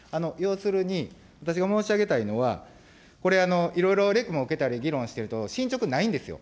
要するに、私が申し上げたいのは、これ、いろいろレクも受けたり、議論してると、進捗ないんですよ。